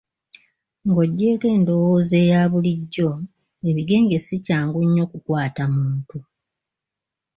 Ng'oggyeeko endowooza eya bulijjo, ebigenge si kyangu nnyo kukwata muntu